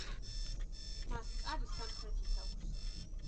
მას კარი სამხრეთით აქვს.